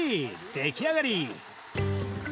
出来上がり。